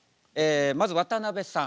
まず渡辺さん。